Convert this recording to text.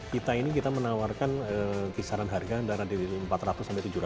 kita ini kita menawarkan kisaran harga antara dari empat ratus sampai tujuh ratus tadi bu untuk yang komersilnya